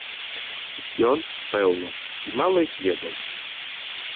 Ён, пэўна, і мала іх ведаў.